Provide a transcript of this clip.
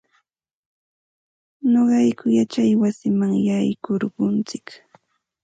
Nuqayku yachay wasiman yaykurquntsik.